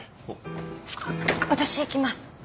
あっ私行きます。